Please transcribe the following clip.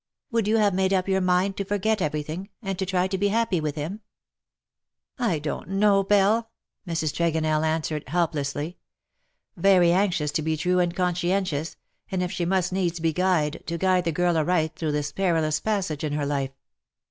Would you have made up your mind to forget everything, and to try to be happy with him ?"" I don't know. Belle," Mrs. Tregonell answered, helplessly, very anxious to be true and conscien tious, and, if she must needs be guide, to guide the girl aright through this perilous passage in her life.